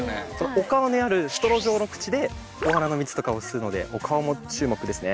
お顔にあるストロー状の口でお花の蜜とかを吸うのでお顔も注目ですね。